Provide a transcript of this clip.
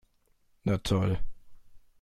Na toll!